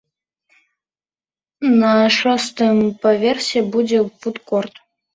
На шостым паверсе будзе фуд-корт.